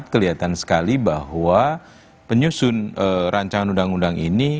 kelihatan sekali bahwa penyusun rancangan undang undang ini